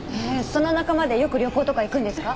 その仲間でよく旅行とか行くんですか？